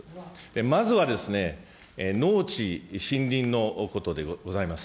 まずはですね、農地、森林のことでございます。